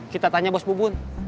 kita tanya bos bu bun